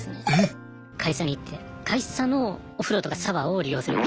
会社に行って会社のお風呂とかシャワーを利用する。